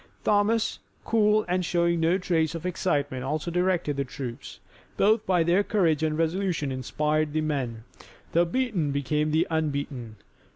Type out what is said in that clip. Thomas, cool, and showing no trace of excitement also directed the troops. Both by their courage and resolution inspired the men. The beaten became the unbeaten.